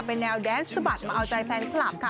เป็นแนวแดนสบัดมาเอาใจแฟนคลับค่ะ